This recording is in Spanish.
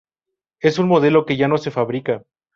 Es un modelo que ya no se fabrica.